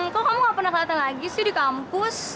kok kamu gak pernah kelihatan lagi sih di kampus